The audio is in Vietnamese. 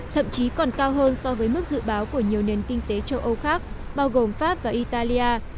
thậm chí còn cao hơn so với mức dự báo của nhiều nền kinh tế châu âu khác bao gồm pháp và italia